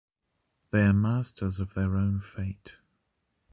They are masters of their own fate.